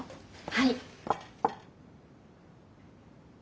はい。